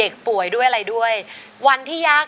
ขอบคุณครับ